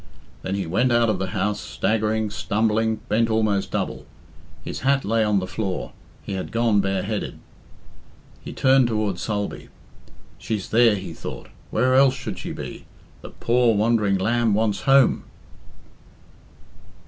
Then he went out of the house, staggering, stumbling, bent almost double. His hat lay on the floor; he had gone bareheaded. He turned towards Sulby. "She's there," he thought "Where else should she be? The poor, wandering lamb wants home."